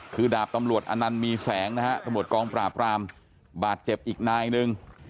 คือดาบตำรวจอนันต์มีแสงนะฮะตำรวจกองปราบรามบาดเจ็บอีกนายหนึ่ง